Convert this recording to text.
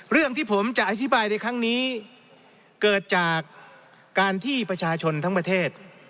เรื่องที่ผมจะอธิบายในครั้งนี้เกิดจากการที่ประชาชนทั้งประเทศ